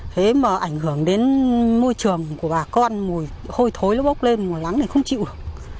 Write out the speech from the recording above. thế mà ảnh hưởng đến môi trường của bà con mùi hôi thối nó bốc lên mùi lắng thì không chịu được